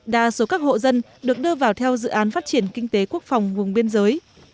đa số các hộ dân được đưa vào theo dự án phát triển kinh tế quốc phòng vùng biên giới